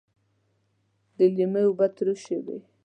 د لیمو اوبه ترشی وي